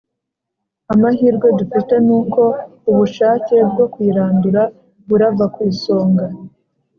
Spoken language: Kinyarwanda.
Amahirwe dufite ni uko ubushake bwo kuyirandura burava ku isonga